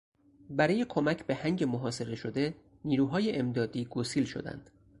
برای کمک به هنگ محاصره شده نیروهای امدادی گسیل شدند.